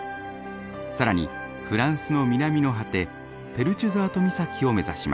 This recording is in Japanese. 更にフランスの南の果てペルチュザート岬を目指します。